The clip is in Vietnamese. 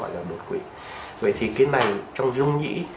vậy thì cái này trong dung nhĩ